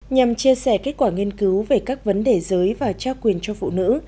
nhằm chia sẻ kết quả nghiên cứu về các vấn đề giới và trao quyền cho phụ nữ